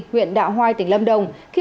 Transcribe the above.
huyện đạo hoai tỉnh lâm đồng